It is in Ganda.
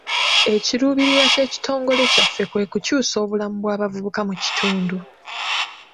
Ekiruubirirwa ky'ekitongole kyaffe kwe kukyusa obulamu bw'abavubuka mu kitundu.